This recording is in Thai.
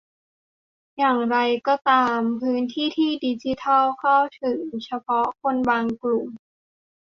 อย่างไรก็ตามพื้นที่ดิจิทัลเข้าถึงเฉพาะคนบางกลุ่ม